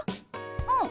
うん。